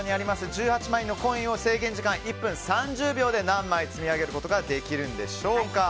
１８枚のコインを制限時間１分３０秒で何枚積み上げることができるんでしょうか。